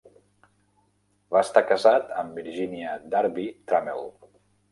Va estar casat amb Virginia Darby Trammell.